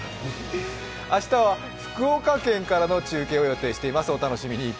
明日は福岡県からの中継を予定しています、お楽しみに。